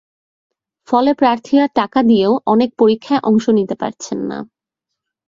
ফলে প্রার্থীরা টাকা দিয়েও অনেক পরীক্ষায় অংশ নিতে পারছেন না।